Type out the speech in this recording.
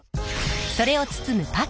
それを包むパッケージ